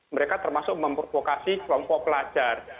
mereka termasuk memprovokasi kelompok pelajar